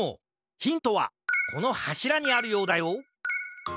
ヒントはこのはしらにあるようだよ